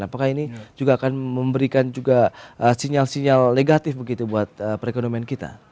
apakah ini juga akan memberikan juga sinyal sinyal negatif begitu buat perekonomian kita